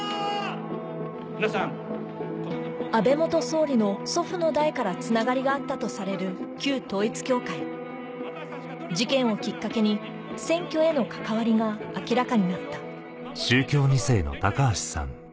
安倍総理の祖父の代からつながりがあったとされる統一教会事件をきっかけに選挙への関わりが明らかになったと聞いていました。